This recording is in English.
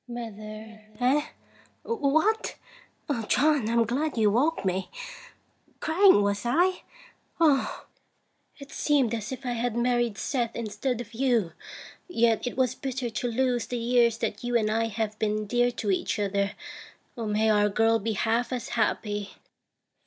Mother. Eh! What? John, I'm glad you woke me. Crying, was I? Oh! it seemed as if I had married Seth instead of you. Yet it was bitter to lose the years that you and I have been dear to each other. May our girl be half as happy